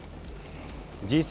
Ｇ７